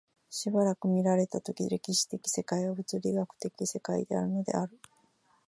斯く見られた時、歴史的世界は物理学的世界であるのである、